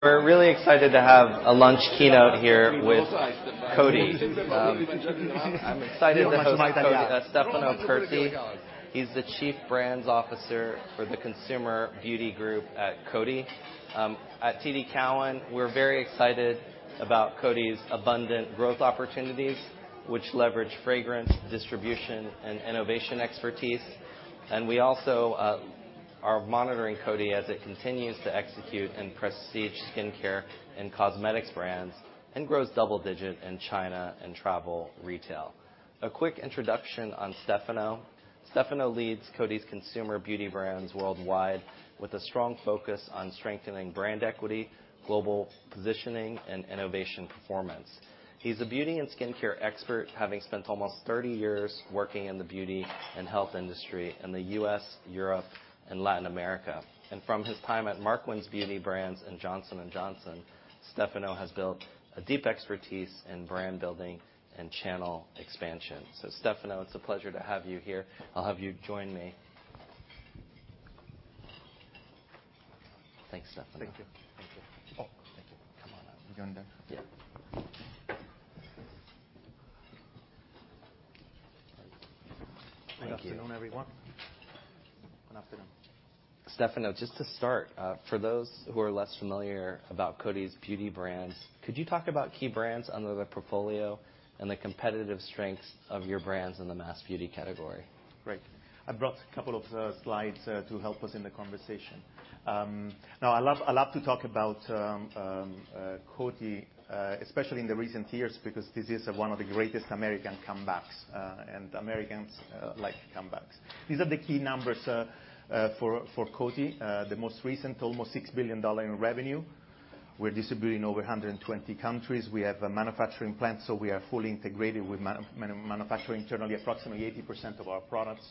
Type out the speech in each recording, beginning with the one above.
We're really excited to have a lunch keynote here with Coty. I'm excited to host Stefano Curti. He's the Chief Brands Officer for the Consumer Beauty Group at Coty. At TD Cowen, we're very excited about Coty's abundant growth opportunities, which leverage fragrance, distribution, and innovation expertise. And we also are monitoring Coty as it continues to execute in prestige skincare and cosmetics brands, and grows double-digit in China and travel retail. A quick introduction on Stefano. Stefano leads Coty's consumer beauty brands worldwide, with a strong focus on strengthening brand equity, global positioning, and innovation performance. He's a beauty and skincare expert, having spent almost 30 years working in the beauty and health industry in the U.S., Europe, and Latin America. From his time at Markwins Beauty Brands and Johnson & Johnson, Stefano has built a deep expertise in brand building and channel expansion. Stefano, it's a pleasure to have you here. I'll have you join me. Thanks, Stefano. Thank you. Thank you. Oh, thank you. Come on up. You're going there? Yeah. Thank you. Good afternoon, everyone. Good afternoon. Stefano, just to start, for those who are less familiar about Coty's beauty brands, could you talk about key brands under the portfolio and the competitive strengths of your brands in the mass beauty category? Great. I brought a couple of slides to help us in the conversation. Now, I love, I love to talk about Coty, especially in the recent years, because this is one of the greatest American comebacks, and Americans like comebacks. These are the key numbers for Coty. The most recent, almost $6 billion in revenue. We're distributing in over 120 countries. We have a manufacturing plant, so we are fully integrated with manufacturing internally, approximately 80% of our products.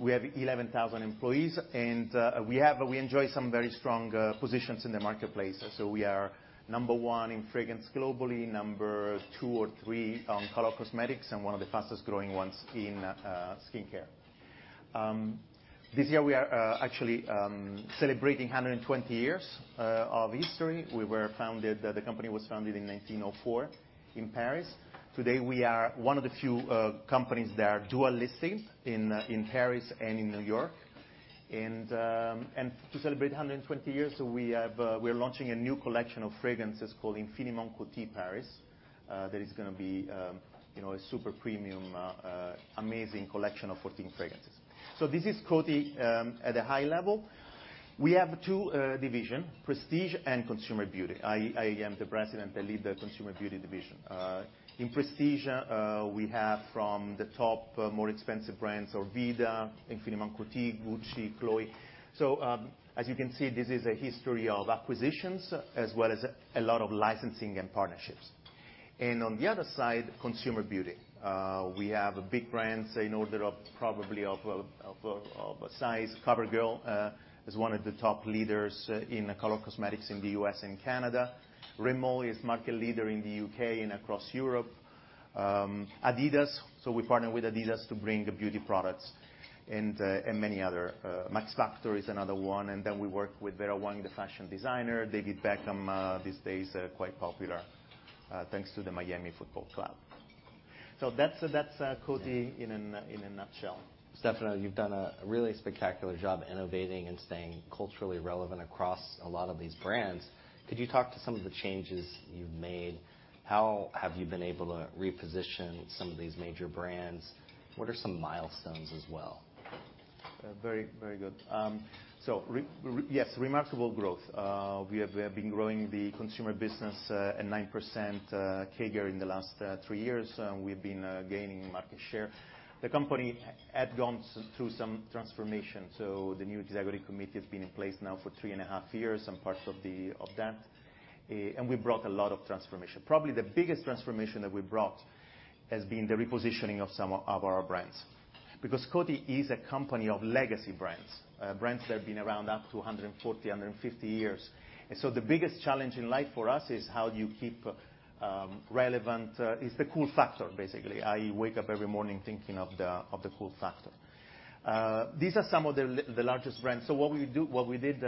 We have 11,000 employees, and we enjoy some very strong positions in the marketplace. So we are number one in fragrance globally, number two or three on color cosmetics, and one of the fastest growing ones in skincare. This year, we are actually celebrating 120 years of history. We were founded, the company was founded in 1904 in Paris. Today, we are one of the few companies that are dual listed in Paris and in New York. And to celebrate 120 years, we have, we're launching a new collection of fragrances called Infiniment Coty Paris. That is gonna be, you know, a super premium, amazing collection of 14 fragrances. So this is Coty, at a high level. We have two division, Prestige and Consumer Beauty. I, I am the president, I lead the Consumer Beauty division. In Prestige, we have from the top, more expensive brands, Orveda, Infiniment Coty, Gucci, Chloé. So, as you can see, this is a history of acquisitions, as well as a lot of licensing and partnerships. On the other side, consumer beauty. We have a big brands in order of probably a size. COVERGIRL is one of the top leaders in color cosmetics in the U.S. and Canada. Rimmel is market leader in the U.K. and across Europe. Adidas, so we partner with Adidas to bring the beauty products and many other. Max Factor is another one, and then we work with Vera Wang, the fashion designer, David Beckham, these days quite popular thanks to the Miami Football Club. So that's Coty in a nutshell. Stefano, you've done a really spectacular job innovating and staying culturally relevant across a lot of these brands. Could you talk to some of the changes you've made? How have you been able to reposition some of these major brands? What are some milestones as well? Very, very good. Yes, remarkable growth. We have been growing the consumer business at 9% CAGR in the last three years, and we've been gaining market share. The company had gone through some transformation, so the new executive committee has been in place now for three and a half years, some parts of that, and we brought a lot of transformation. Probably the biggest transformation that we brought has been the repositioning of some of our brands, because Coty is a company of legacy brands, brands that have been around up to 140, 150 years. So the biggest challenge in life for us is how do you keep relevant. It's the cool factor, basically. I wake up every morning thinking of the cool factor. These are some of the largest brands. So what we did,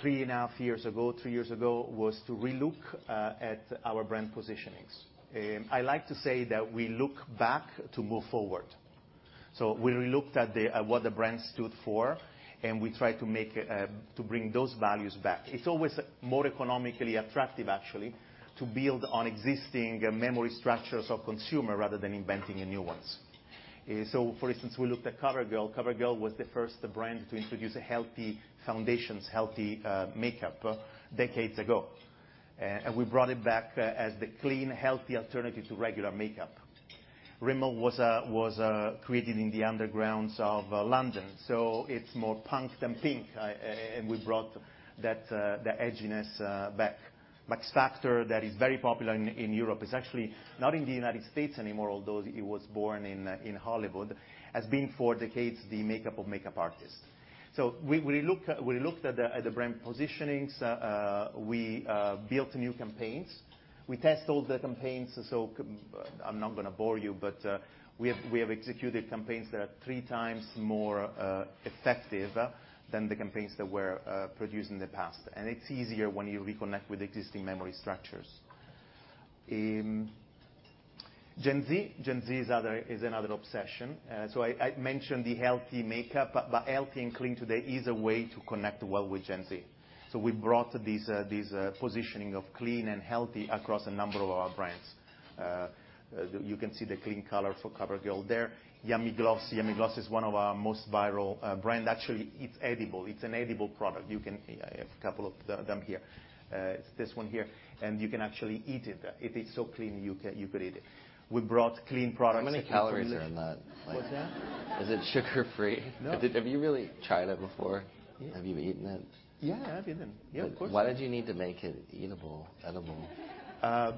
three and a half years ago, two years ago, was to relook at our brand positionings. I like to say that we look back to move forward. So we relooked at what the brand stood for, and we tried to bring those values back. It's always more economically attractive, actually, to build on existing memory structures of consumer rather than inventing a new ones. So for instance, we looked at COVERGIRL. COVERGIRL was the first brand to introduce healthy foundations, healthy makeup decades ago. And we brought it back as the clean, healthy alternative to regular makeup. Rimmel was created in the undergrounds of London, so it's more punk than pink, and we brought that the edginess back. Max Factor, that is very popular in Europe, is actually not in the United States anymore, although it was born in Hollywood, has been, for decades, the makeup of makeup artists. So we looked at the brand positionings, we built new campaigns. We tested all the campaigns, so I'm not gonna bore you, but we have executed campaigns that are three times more effective than the campaigns that were produced in the past. And it's easier when you reconnect with existing memory structures. Gen Z is another obsession. So I mentioned the healthy makeup, but healthy and clean today is a way to connect well with Gen Z. So we brought these positioning of clean and healthy across a number of our brands. You can see the clean color for COVERGIRL there. Yummy Gloss. Yummy Gloss is one of our most viral brand. Actually, it's edible. It's an edible product. I have a couple of them here. It's this one here, and you can actually eat it. It is so clean, you could eat it. We brought clean products- How many calories are in that? What's that? Is it sugar-free? No. Have you really tried it before? Yeah. Have you eaten it? Yeah, I've eaten. Yeah, of course. Why did you need to make it eatable-- edible?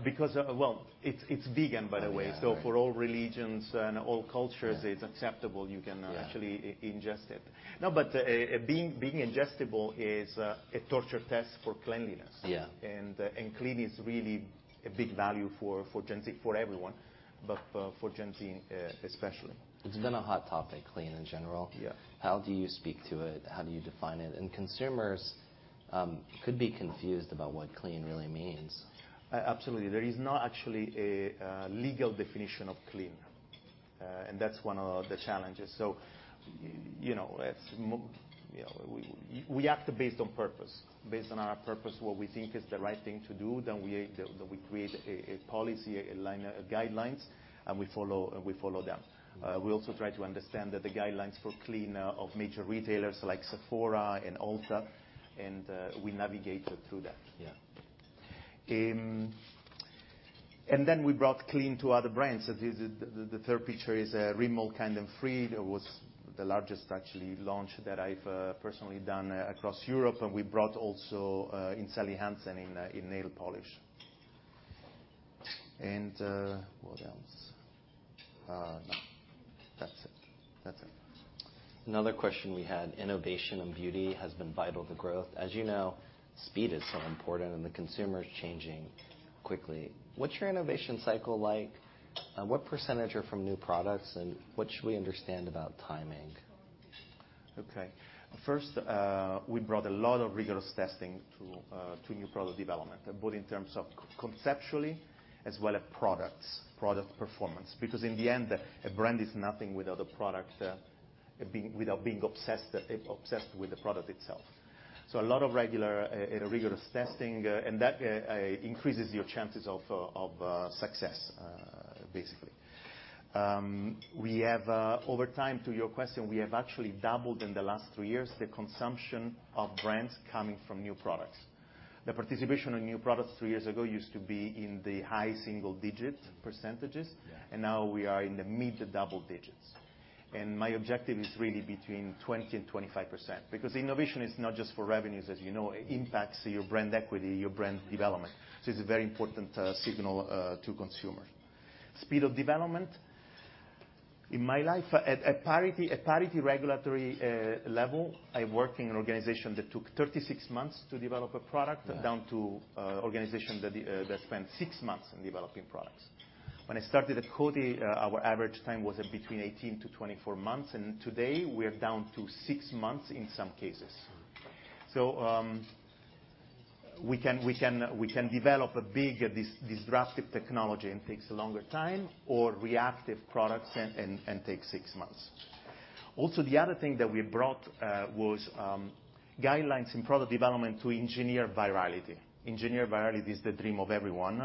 Because, well, it's vegan, by the way. Oh, yeah, right. For all religions and all cultures- Yeah... it's acceptable. You can actually- Yeah... ingest it. No, but being ingestible is a torture test for cleanliness. Yeah. And clean is really a big value for Gen Z, for everyone, but for Gen Z especially. It's been a hot topic, clean in general. Yeah. How do you speak to it? How do you define it? Consumers could be confused about what clean really means. Absolutely. There is not actually a legal definition of clean, and that's one of the challenges. So, you know, it's we act based on purpose, based on our purpose, what we think is the right thing to do, then we create a policy, a line, guidelines, and we follow them. We also try to understand the guidelines for clean of major retailers like Sephora and Ulta, and we navigate through that. Yeah. And then we brought clean to other brands. So this is the third picture is Rimmel Kind & Free. It was the largest actually launch that I've personally done across Europe, and we brought also in Sally Hansen in nail polish. And what else? No, that's it. That's it. Another question we had, innovation and beauty has been vital to growth. As you know, speed is so important, and the consumer is changing quickly. What's your innovation cycle like? And what percentage are from new products, and what should we understand about timing? Okay. First, we brought a lot of rigorous testing to new product development, both in terms of conceptually as well as products, product performance, because in the end, a brand is nothing without a product, without being obsessed, obsessed with the product itself. So a lot of regular, rigorous testing, and that increases your chances of success, basically. We have, over time, to your question, we have actually doubled in the last two years, the consumption of brands coming from new products. The participation on new products three years ago used to be in the high single-digit percentages- Yeah... and now we are in the mid- to double-digits. My objective is really between 20% and 25%, because innovation is not just for revenues, as you know, it impacts your brand equity, your brand development. So it's a very important signal to consumers. Speed of development, in my life, at parity, at parity regulatory level, I worked in an organization that took 36 months to develop a product- Yeah... down to organization that that spent 6 months in developing products. When I started at Coty, our average time was between 18-24 months, and today we're down to 6 months in some cases. So, we can, we can, we can develop a big disruptive technology, and takes a longer time, or reactive products and takes 6 months. Also, the other thing that we brought was guidelines in product development to engineer virality. Engineer virality is the dream of everyone.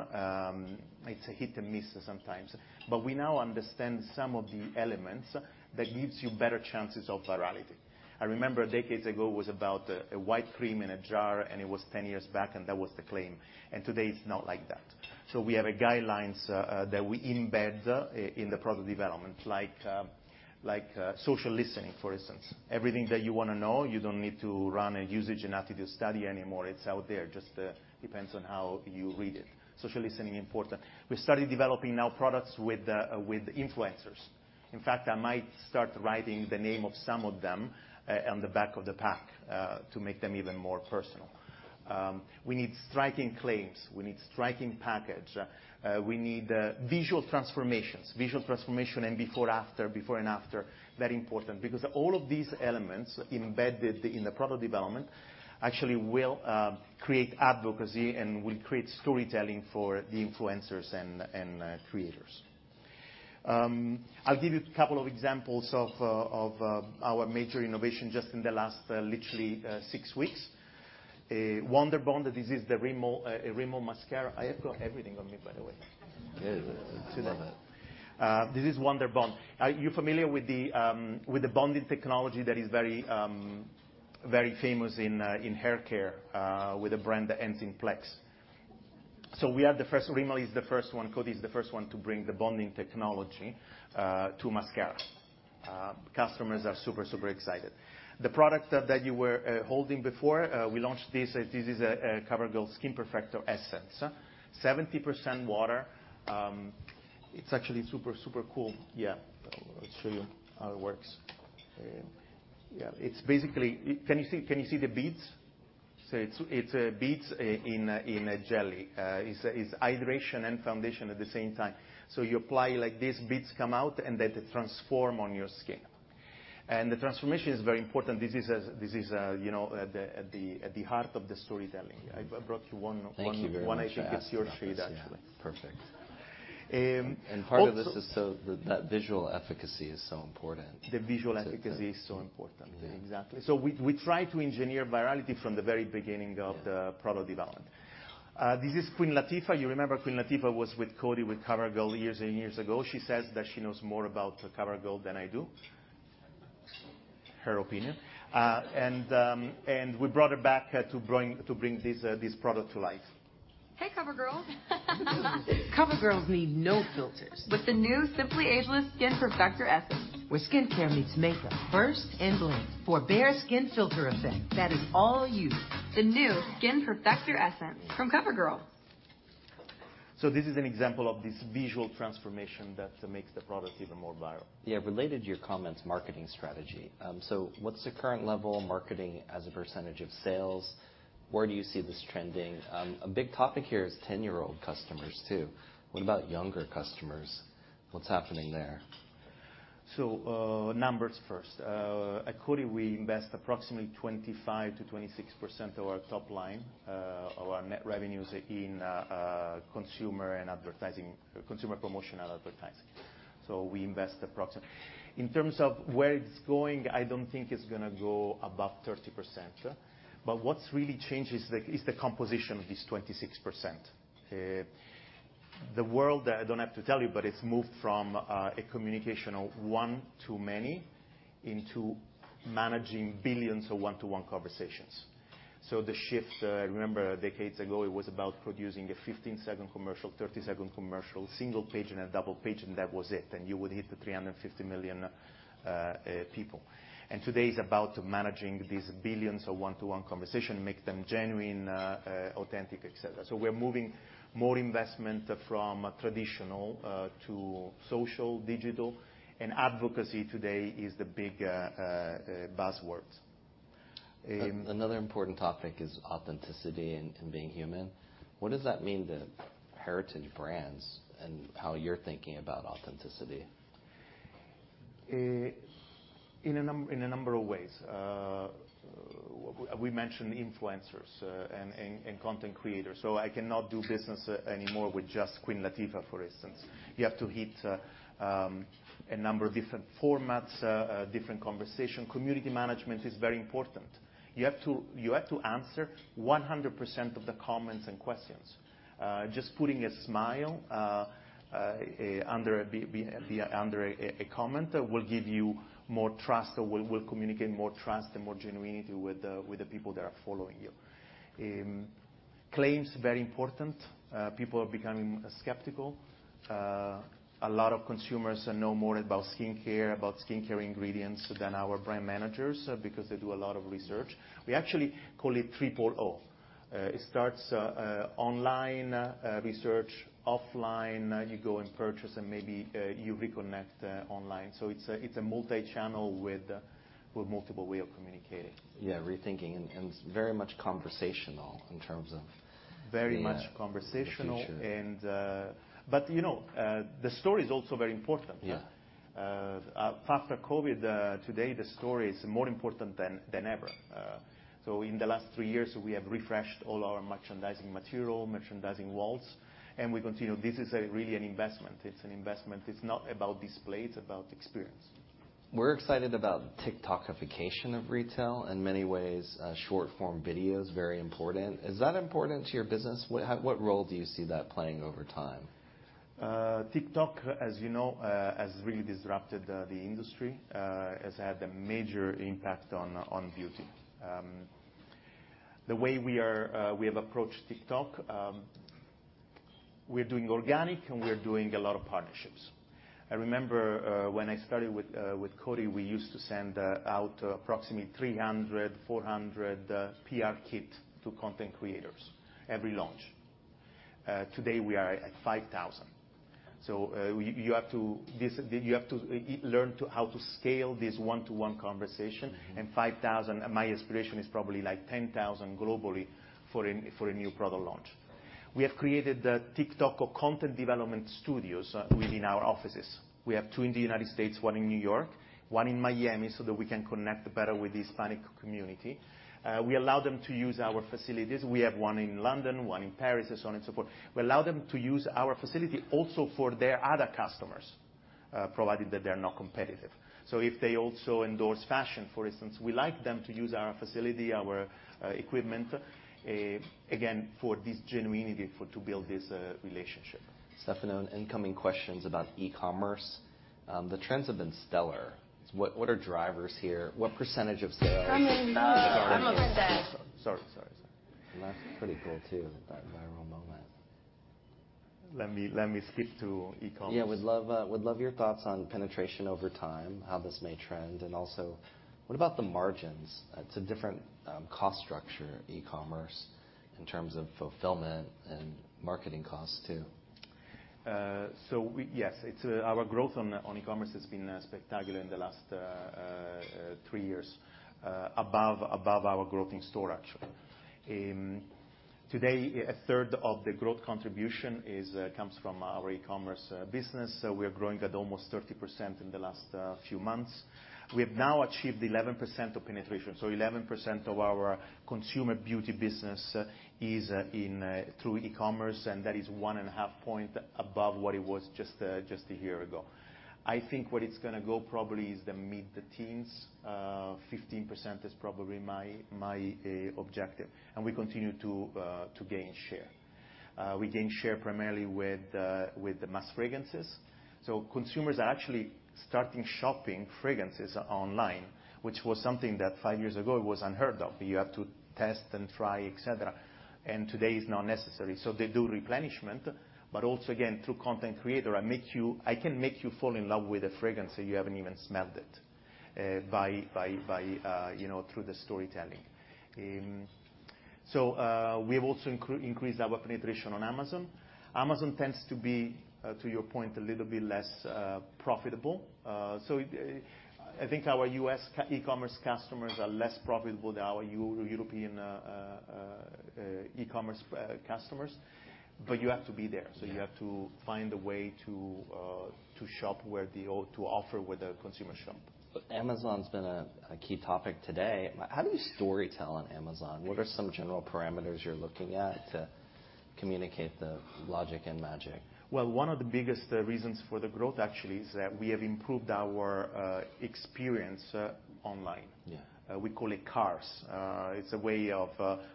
It's a hit and miss sometimes, but we now understand some of the elements that gives you better chances of virality. I remember decades ago, it was about a white cream in a jar, and it was 10 years back, and that was the claim, and today it's not like that. So we have a guidelines that we embed in the product development, like, social listening, for instance. Everything that you want to know, you don't need to run a usage and attitude study anymore. It's out there. Just depends on how you read it. Social listening, important. We started developing now products with influencers. In fact, I might start writing the name of some of them on the back of the pack to make them even more personal. We need striking claims, we need striking package, we need visual transformations. Visual transformation and before/after, before and after, very important, because all of these elements embedded in the product development actually will create advocacy and will create storytelling for the influencers and creators. I'll give you a couple of examples of our major innovation just in the last literally six weeks. Wonder Bond, this is the Rimmel mascara. I have got everything on me, by the way. Good. I love it. This is Wonder Bond. Are you familiar with the with the bonding technology that is very very famous in in hair care with a brand that ends in Plex? So we are the first- Rimmel is the first one, Coty is the first one to bring the bonding technology to mascara. Customers are super super excited. The product that that you were holding before we launched this. This is a COVERGIRL Skin Perfector Essence, 70% water. It's actually super super cool. Yeah, I'll show you how it works. Yeah, it's basically... Can you see can you see the beads? So it's it's beads in in a jelly. It's it's hydration and foundation at the same time. So you apply like this, beads come out, and then they transform on your skin... The transformation is very important. This is, you know, at the heart of the storytelling. I brought you one- Thank you very much. One, I think it's your shade, actually. Yeah. Perfect. Um, also- Part of this is so that visual efficacy is so important. The visual efficacy is so important. Yeah. Exactly. So we try to engineer virality from the very beginning of the- Yeah... product development. This is Queen Latifah. You remember Queen Latifah was with Coty, with COVERGIRL, years and years ago. She says that she knows more about COVERGIRL than I do. Her opinion. We brought her back to bring this product to life. Hey, COVERGIRL. COVERGIRLs need no filters. With the new Simply Ageless Skin Perfector Essence. Where skincare meets makeup, first and bling, for bare skin filter effect that is all you. The new Skin Perfector Essence from COVERGIRL. So this is an example of this visual transformation that makes the product even more viral. Yeah. Related to your comments, marketing strategy. So what's the current level of marketing as a percentage of sales? Where do you see this trending? A big topic here is 10-year-old customers, too. What about younger customers? What's happening there? Numbers first. At Coty, we invest approximately 25%-26% of our top line, of our net revenues in consumer and advertising, consumer promotion and advertising. In terms of where it's going, I don't think it's gonna go above 30%, but what's really changed is the composition of this 26%. The world, I don't have to tell you, but it's moved from a communication of one to many, into managing billions of one-to-one conversations. So the shift, I remember decades ago, it was about producing a 15-second commercial, 30-second commercial, single page and a double page, and that was it, and you would hit the 350 million people. And today is about managing these billions of one-to-one conversation, make them genuine, authentic, et cetera. So we're moving more investment from traditional to social, digital, and advocacy. Today is the big buzzword. Another important topic is authenticity and being human. What does that mean to heritage brands and how you're thinking about authenticity? In a number of ways. We mentioned influencers and content creators, so I cannot do business anymore with just Queen Latifah, for instance. You have to hit a number of different formats, different conversation. Community management is very important. You have to answer 100% of the comments and questions. Just putting a smile under a comment will give you more trust or will communicate more trust and more genuineness with the people that are following you. Claims, very important. People are becoming skeptical. A lot of consumers know more about skincare, about skincare ingredients than our brand managers, because they do a lot of research. We actually call it Triple O. It starts online research. Offline, you go and purchase, and maybe you reconnect online. So it's a multi-channel with multiple way of communicating. Yeah, rethinking and very much conversational in terms of- Very much conversational- the future... you know, the story is also very important. Yeah. After COVID, today, the story is more important than ever. So in the last three years, we have refreshed all our merchandising material, merchandising walls, and we continue. This is really an investment. It's an investment. It's not about display, it's about experience. We're excited about TikTokification of retail. In many ways, short-form video is very important. Is that important to your business? What role do you see that playing over time? TikTok, as you know, has really disrupted the industry, has had a major impact on beauty. The way we have approached TikTok, we're doing organic and we're doing a lot of partnerships. I remember when I started with Coty, we used to send out approximately 300-400 PR kit to content creators every launch. Today, we are at 5,000. So, you have to learn to... how to scale this one-to-one conversation. Mm-hmm. 5,000, my aspiration is probably like 10,000 globally for a, for a new product launch. We have created the TikTok or content development studios within our offices. We have two in the United States, one in New York, one in Miami, so that we can connect better with the Hispanic community. We allow them to use our facilities. We have one in London, one in Paris, and so on and so forth. We allow them to use our facility also for their other customers, provided that they are not competitive. So if they also endorse fashion, for instance, we like them to use our facility, our equipment, again, for this genuineness, to build this relationship. Stefano, incoming questions about e-commerce. The trends have been stellar. What are drivers here? What percentage of sales - Coming. Oh, I'm going to die. Sorry, sorry, sorry. That's pretty cool, too, that viral moment. Let me, let me switch to e-commerce. Yeah. Would love your thoughts on penetration over time, how this may trend, and also, what about the margins? It's a different cost structure, e-commerce, in terms of fulfillment and marketing costs, too. Yes, it's our growth on e-commerce has been spectacular in the last three years, above our growth in store, actually. Today, a third of the growth contribution comes from our e-commerce business. So we are growing at almost 30% in the last few months. We have now achieved 11% penetration, so 11% of our consumer beauty business is through e-commerce, and that is 1.5 points above what it was just a year ago. I think where it's gonna go probably is the mid to teens. 15% is probably my objective, and we continue to gain share. We gain share primarily with the mass fragrances. So consumers are actually starting shopping fragrances online, which was something that five years ago was unheard of. You have to test and try, et cetera, and today is not necessary. So they do replenishment, but also again, through content creator, I can make you fall in love with a fragrance, so you haven't even smelled it, by, by, by, you know, through the storytelling. So, we have also increased our penetration on Amazon. Amazon tends to be, to your point, a little bit less profitable. So I think our U.S. e-commerce customers are less profitable than our European e-commerce customers, but you have to be there. Yeah. So you have to find a way to shop where the... to offer where the consumer shop. Amazon's been a key topic today. How do you storytell on Amazon? What are some general parameters you're looking at to communicate the logic and magic? Well, one of the biggest reasons for the growth, actually, is that we have improved our experience online. Yeah. We call it CARS. It's a way of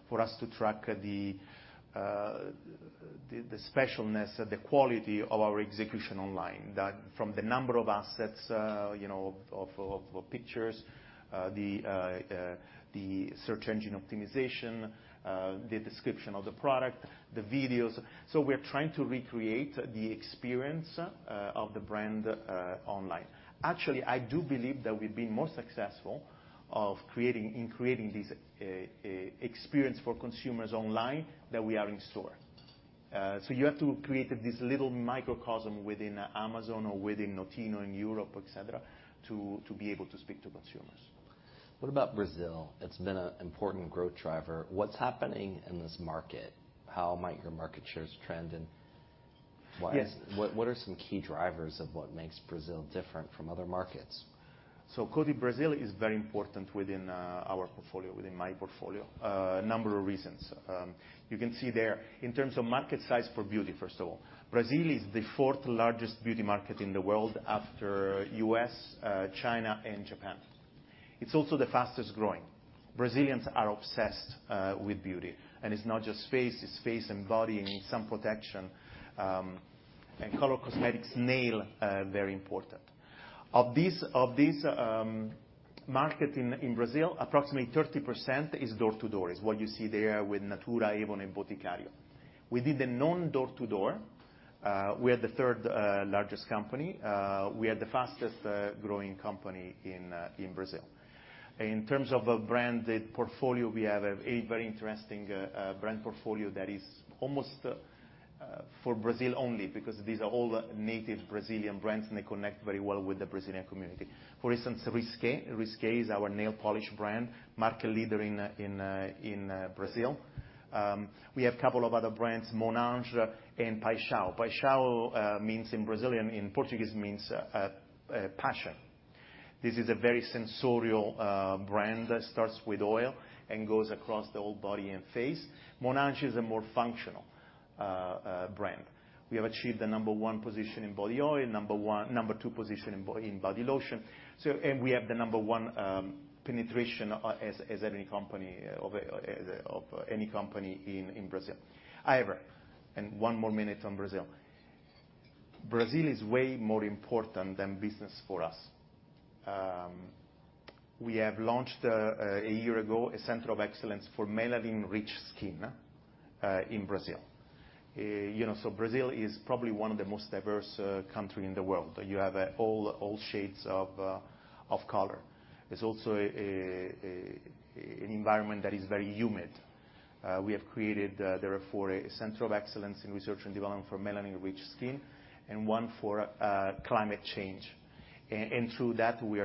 for us to track the specialness, the quality of our execution online. That from the number of assets, you know, of pictures, the search engine optimization, the description of the product, the videos. So we're trying to recreate the experience of the brand online. Actually, I do believe that we've been more successful of creating... In creating this experience for consumers online than we are in store. So you have to create this little microcosm within Amazon or within Notino in Europe, et cetera, to be able to speak to consumers. What about Brazil? It's been an important growth driver. What's happening in this market? How might your market shares trend and what- Yes. What are some key drivers of what makes Brazil different from other markets? So Coty, Brazil is very important within our portfolio, within my portfolio. A number of reasons. You can see there in terms of market size for beauty, first of all, Brazil is the fourth largest beauty market in the world after U.S., China and Japan. It's also the fastest growing. Brazilians are obsessed with beauty, and it's not just face, it's face and body, and sun protection, and color cosmetics, nail very important. Of these market in Brazil, approximately 30% is door-to-door, is what you see there with Natura, Avon, and Boticário. Within the non-door-to-door, we are the third largest company. We are the fastest growing company in Brazil. In terms of a branded portfolio, we have a very interesting brand portfolio that is almost for Brazil only, because these are all native Brazilian brands, and they connect very well with the Brazilian community. For instance, Risqué. Risqué is our nail polish brand, market leader in Brazil. We have a couple of other brands, Monange and Paixão. Paixão means in Brazilian, in Portuguese, means passion. This is a very sensorial brand that starts with oil and goes across the whole body and face. Monange is a more functional brand. We have achieved the number one position in body oil, number two position in body lotion. So... And we have the number one penetration as any company in Brazil. However, and one more minute on Brazil, Brazil is way more important than business for us. We have launched, a year ago, a center of excellence for melanin-rich skin, in Brazil. You know, so Brazil is probably one of the most diverse country in the world. You have all shades of color. It's also an environment that is very humid. We have created, therefore, a center of excellence in research and development for melanin-rich skin and one for climate change. And through that, we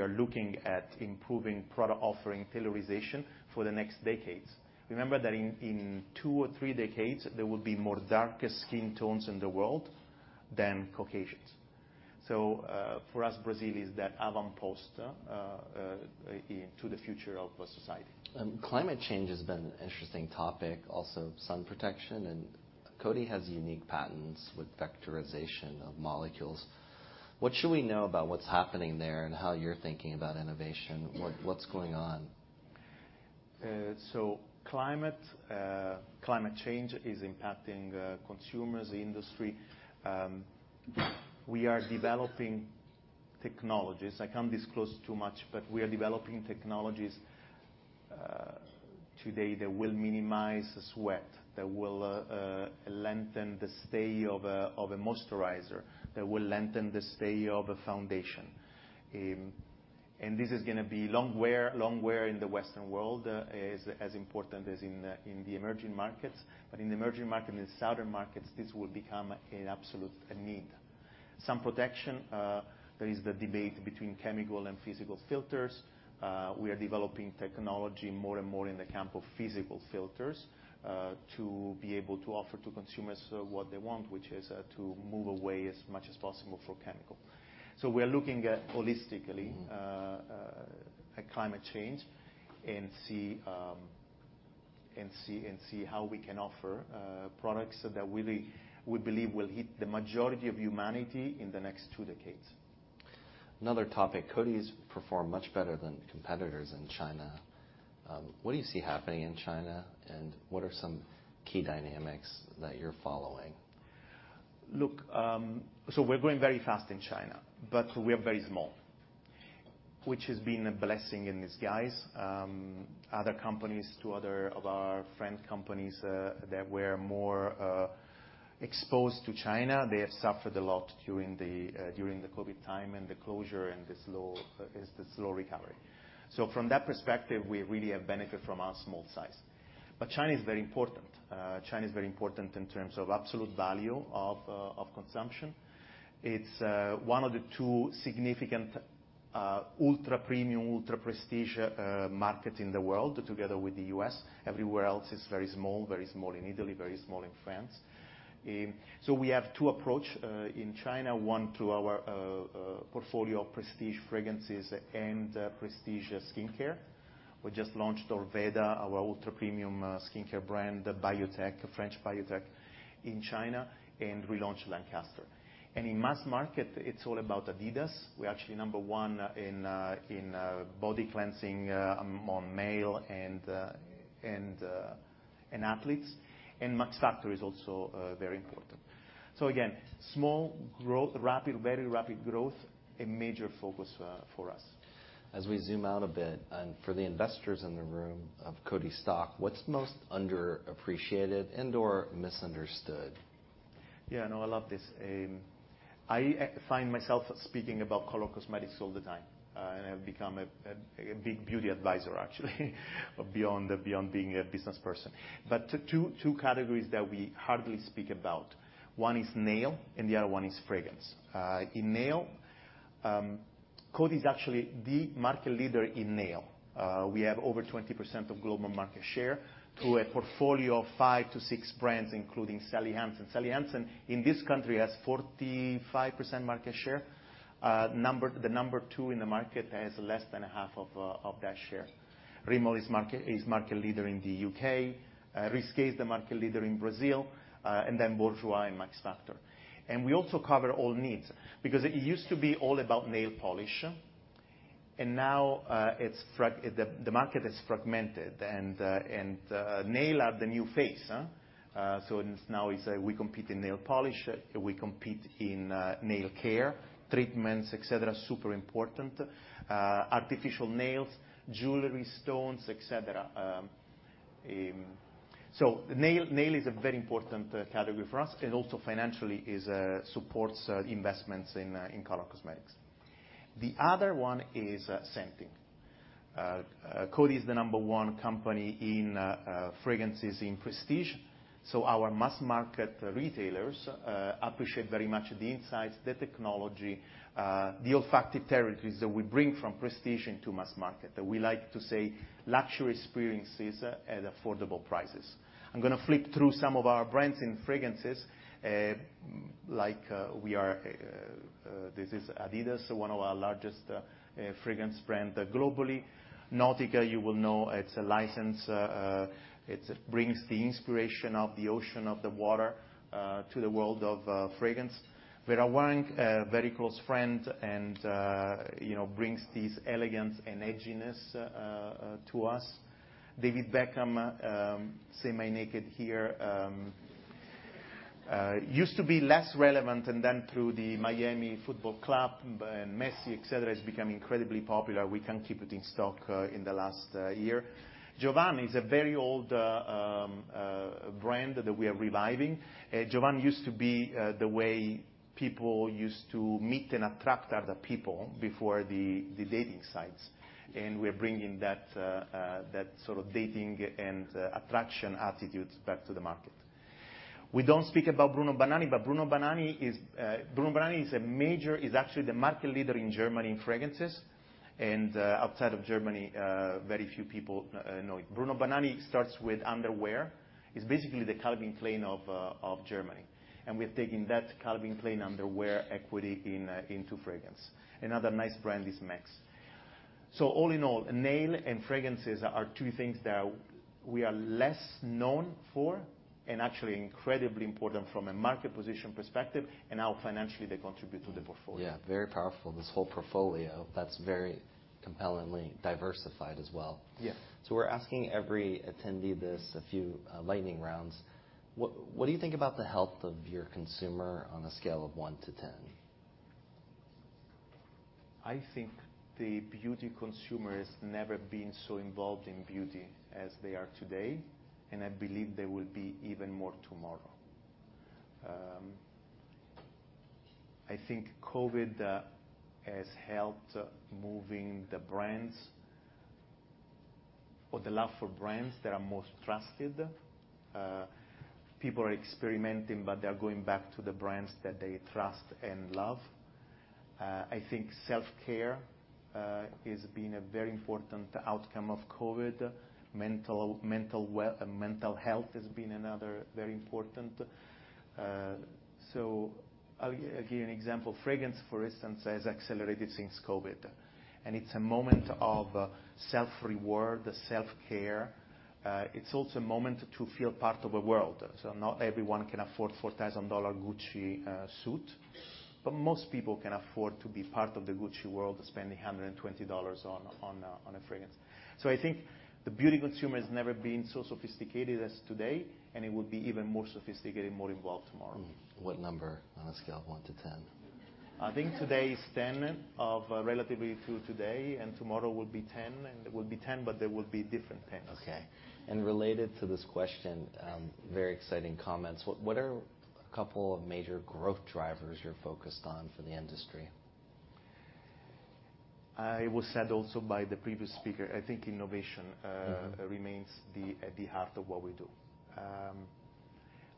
are looking at improving product offering pillarization for the next decades. Remember that in two or three decades, there will be more darker skin tones in the world than Caucasians. For us, Brazil is that avant-poste into the future of our society. Climate change has been an interesting topic, also sun protection, and Coty has unique patents with vectorization of molecules. What should we know about what's happening there and how you're thinking about innovation? What, what's going on? So climate change is impacting consumers, the industry. We are developing technologies. I can't disclose too much, but we are developing technologies today that will minimize sweat, that will lengthen the stay of a moisturizer, that will lengthen the stay of a foundation. And this is gonna be long wear, long wear in the Western world is as important as in the emerging markets. But in the emerging market, in southern markets, this will become an absolute need. Some protection, there is the debate between chemical and physical filters. We are developing technology more and more in the camp of physical filters to be able to offer to consumers what they want, which is to move away as much as possible from chemical. So we are looking at holistically at climate change, and see how we can offer products that really we believe will hit the majority of humanity in the next two decades. Another topic, Coty's performed much better than competitors in China. What do you see happening in China, and what are some key dynamics that you're following? Look, so we're growing very fast in China, but we are very small, which has been a blessing in disguise. Other companies, two other of our friend companies, that were more exposed to China, they have suffered a lot during the COVID time and the closure and the slow recovery. So from that perspective, we really have benefited from our small size. But China is very important. China is very important in terms of absolute value of consumption. It's one of the two significant ultra-premium, ultra-prestige market in the world, together with the US. Everywhere else is very small, very small in Italy, very small in France. So we have two approach in China, one, through our portfolio of prestige fragrances and prestige skincare. We just launched Orveda, our ultra-premium, skincare brand, biotech, a French biotech in China, and relaunched Lancaster. In mass market, it's all about Adidas. We're actually number one in body cleansing among male and athletes. Max Factor is also very important. So again, small growth, rapid, very rapid growth, a major focus for us. As we zoom out a bit, and for the investors in the room, of Coty's stock, what's most underappreciated and/or misunderstood? Yeah, no, I love this. I find myself speaking about color cosmetics all the time, and I've become a big beauty advisor, actually, beyond being a business person. But two categories that we hardly speak about, one is nail, and the other one is fragrance. In nail, Coty is actually the market leader in nail. We have over 20% of global market share through a portfolio of 5-6 brands, including Sally Hansen. Sally Hansen, in this country, has 45% market share. The number two in the market has less than half of that share. Rimmel is market leader in the UK, Risqué is the market leader in Brazil, and then Bourjois and Max Factor. And we also cover all needs, because it used to be all about nail polish, and now, The market is fragmented, and nail are the new face, huh? So now is we compete in nail polish, we compete in nail care, treatments, et cetera, super important, artificial nails, jewelry, stones, et cetera. So nail, nail is a very important category for us and also financially is supports investments in color cosmetics. The other one is scenting. Coty is the number one company in fragrances in prestige, so our mass market retailers appreciate very much the insights, the technology, the olfactory territories that we bring from prestige into mass market, that we like to say, luxury experiences at affordable prices. I'm going to flip through some of our brands in fragrances, like, this is adidas, one of our largest fragrance brand globally. Nautica, you will know, it's a license, it brings the inspiration of the ocean, of the water, to the world of fragrance. Vera Wang, a very close friend, and, you know, brings this elegance and edginess to us. David Beckham, semi-naked here, used to be less relevant, and then through the Miami Football Club and Messi, et cetera, it's become incredibly popular. We can't keep it in stock in the last year. Jovan is a very old brand that we are reviving. Jovan used to be the way people used to meet and attract other people before the dating sites, and we're bringing that that sort of dating and attraction attitudes back to the market. We don't speak about Bruno Banani, but Bruno Banani is Bruno Banani is a major is actually the market leader in Germany in fragrances, and outside of Germany very few people know it. Bruno Banani starts with underwear. It's basically the Calvin Klein of Germany, and we're taking that Calvin Klein underwear equity into fragrance. Another nice brand is Mexx. So all in all, nail and fragrances are two things that we are less known for, and actually incredibly important from a market position perspective, and how financially they contribute to the portfolio. Yeah, very powerful, this whole portfolio. That's very compellingly diversified as well. Yes. So we're asking every attendee this, a few lightning rounds. What do you think about the health of your consumer on a scale of one to ten? I think the beauty consumer has never been so involved in beauty as they are today, and I believe they will be even more tomorrow. I think COVID has helped the love for brands that are most trusted. People are experimenting, but they are going back to the brands that they trust and love. I think self-care has been a very important outcome of COVID. Mental health has been another very important... So I'll give you an example. Fragrance, for instance, has accelerated since COVID, and it's a moment of self-reward, self-care. It's also a moment to feel part of a world. So not everyone can afford $4,000 Gucci suit, but most people can afford to be part of the Gucci world, spending $120 on a fragrance. I think the beauty consumer has never been so sophisticated as today, and it will be even more sophisticated, more involved tomorrow. Mm. What number on a scale of one to 10? I think today is 10 of relatively to today, and tomorrow will be 10, and it will be 10, but they will be different 10s. Okay. Related to this question, very exciting comments, what are a couple of major growth drivers you're focused on for the industry? It was said also by the previous speaker, I think innovation. Mm-hmm... remains at the heart of what we do.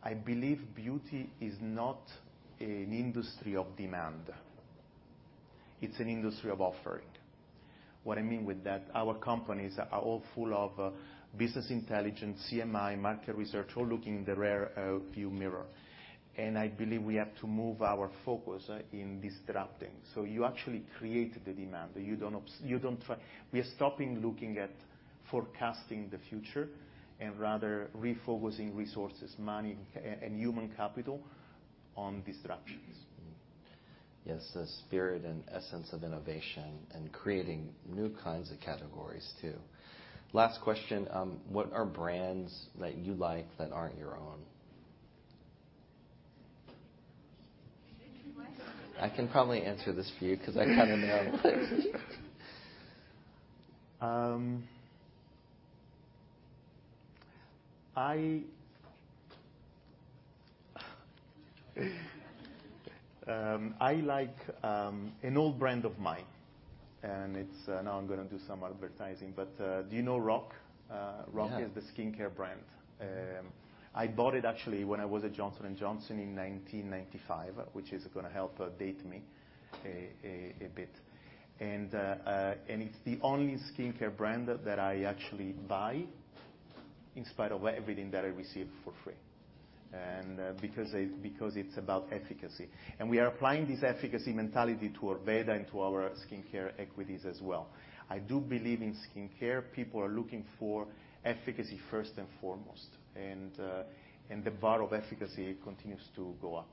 I believe beauty is not an industry of demand. It's an industry of offering. What I mean with that, our companies are all full of business intelligence, CMI, market research, all looking in the rear view mirror, and I believe we have to move our focus in disrupting. So you actually create the demand. You don't try... We are stopping looking at forecasting the future and rather refocusing resources, money, and human capital on disruptions. Mm. Yes, the spirit and essence of innovation and creating new kinds of categories, too. Last question, what are brands that you like that aren't your own? I can probably answer this for you because I kind of know. I like an old brand of mine, and it's... Now I'm gonna do some advertising, but do you know RoC? Yeah. RoC is the skincare brand. I bought it actually when I was at Johnson & Johnson in 1995, which is gonna help date me a bit. And it's the only skincare brand that I actually buy, in spite of everything that I receive for free, and because it's about efficacy, and we are applying this efficacy mentality to Orveda and to our skincare equities as well. I do believe in skincare. People are looking for efficacy first and foremost, and the bar of efficacy continues to go up.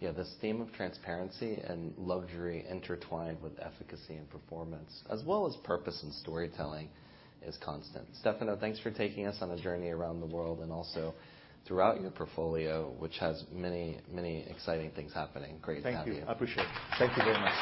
Yeah, this theme of transparency and luxury intertwined with efficacy and performance, as well as purpose and storytelling, is constant. Stefano, thanks for taking us on a journey around the world and also throughout your portfolio, which has many, many exciting things happening. Great to have you. Thank you. I appreciate it. Thank you very much.